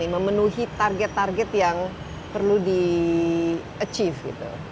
memenuhi target target yang perlu di achieve gitu